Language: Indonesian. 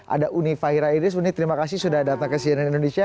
ada uni fahira iris uni terima kasih sudah datang ke cnn indonesia